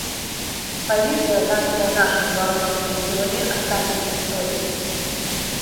Позиция, занятая нашими вооруженными силами, останется в истории.